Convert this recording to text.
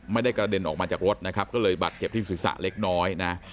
ไม่ได้กระเด็นออกมาจากรถนะครับก็เลยบาดเจ็บที่ศีรษะเล็กน้อยนะ